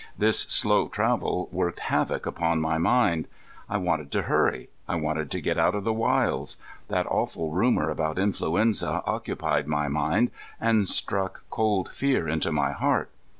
This slow travel worked havoc upon my mind. I wanted to hurry. I wanted to get out of the wilds. That awful rumor about influenza occupied my mind and struck cold fear into my heart.